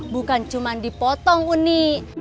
bukan cuman dipotong uni